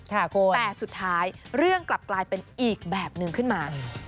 แต่สุดท้ายเรื่องกลับกลายเป็นอีกแบบนึงขึ้นมา